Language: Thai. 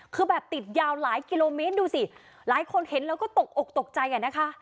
คือแบบติดยาวหลายกิโลเมตรดูสิหลายคนเห็นแล้วก็ตกอกตกใจอ่ะนะคะ